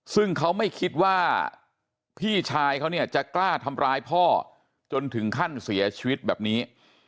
ซึ่งเขาไม่คิดว่าพี่ชายเขาเนี่ยจะกล้าทำร้ายพ่อจนถึงขั้นเสียชีวิตแบบนี้